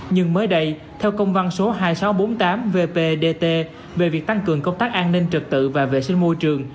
nhưng mới đây theo công văn số hai nghìn sáu trăm bốn mươi tám vpdt về việc tăng cường công tác an ninh trực tự và vệ sinh môi trường